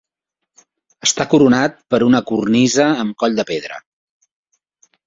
Està coronat per una cornisa amb coll de pedra.